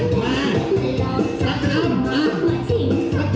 ก็เคยจะเสียใจ